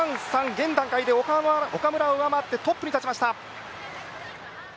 現段階で岡村を上回ってトップに立ちました。